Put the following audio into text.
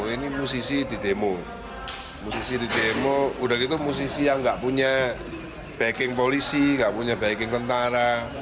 ini musisi didemo udah gitu musisi yang gak punya backing polisi gak punya backing tentara